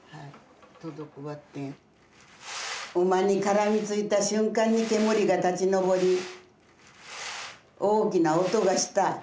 馬に絡みついた瞬間に煙が立ちのぼり大きな音がした。